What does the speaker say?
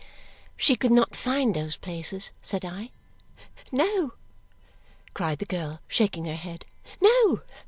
"She could not find those places," said I. "No!" cried the girl, shaking her head. "No!